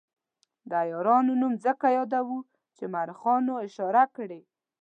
د عیارانو نوم ځکه یادوو چې مورخینو اشاره کړې.